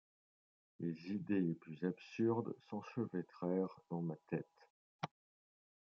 Les idées les plus absurdes s’enchevêtrèrent dans ma tête.